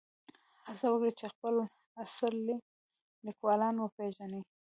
هڅه وکړئ چې خپل اصلي لیکوالان وپېژنئ.